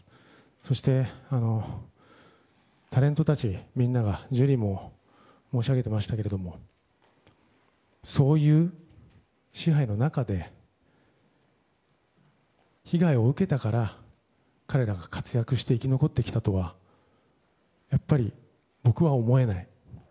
そして、タレントたちみんながジュリーも申し上げていましたけどそういう支配の中で被害を受けたから彼らが活躍して生き残ってきたとはやっぱり僕は思えない。